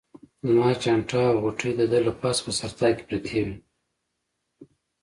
زما چانټه او غوټې د ده له پاسه په سر طاق کې پرتې وې.